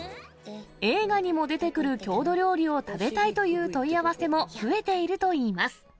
映画にも出てくる郷土料理を食べたいという問い合わせも増えているといいます。